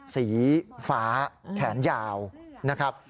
สีฟ้าแขนยาวนะครับ